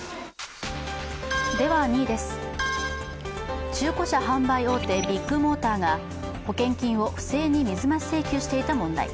では２位です、中古車販売大手ビッグモーターが保険金を不正に水増し請求していた問題。